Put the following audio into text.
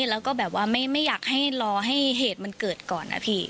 แล้วก็แบบว่าไม่อยากให้รอให้เหตุมันเกิดก่อนนะพี่